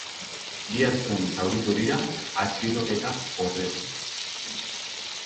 Bi ertzain zauritu dira atxiloketa horretan.